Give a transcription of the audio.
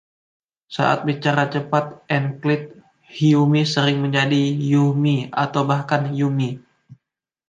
Saat bicara cepat, enklit “-hyume” sering menjadi “-yuhme” atau bahkan “-yume”.